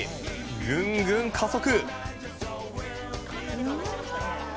ぐんぐん加速。